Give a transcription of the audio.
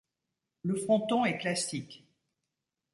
Le fronton est classique.